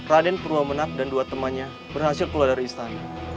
raden purwomenak dan dua temannya berhasil keluar dari istana